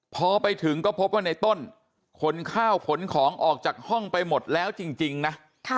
พอไปถึงก็พบว่าในต้นขนข้าวขนของออกจากห้องไปหมดแล้วจริงนะ